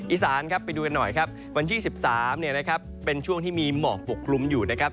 อีสานครับไปดูกันหน่อยครับวันที่๑๓เป็นช่วงที่มีหมอกปกคลุมอยู่นะครับ